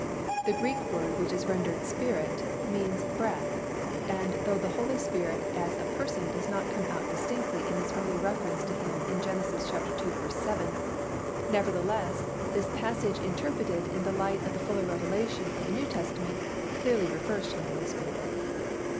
The Greek word which is rendered "spirit" means "breath" and though the Holy Spirit as a Person does not come out distinctly in this early reference to Him in Gen. ii. 7, nevertheless, this passage interpreted in the light of the fuller revelation of the New Testament clearly refers to the Holy Spirit.